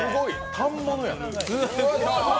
反物やん！